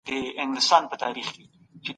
سوسياليستي نظريه سمه نه ده.